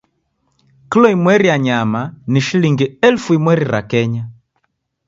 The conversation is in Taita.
Kilo imweri ya nyama ni shilingi elfu imweri ra Kenya.